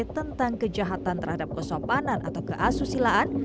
tentang kejahatan terhadap kesopanan atau keasusilaan